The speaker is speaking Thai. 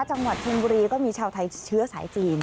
จังหวัดชนบุรีก็มีชาวไทยเชื้อสายจีน